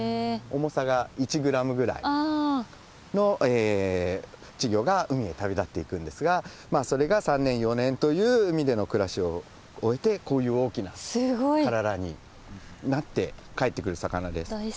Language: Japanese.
重さが１グラムぐらいの稚魚が海へ旅立っていくんですがそれが３年４年という海での暮らしを終えてこういう大きな体になって帰ってくる魚です。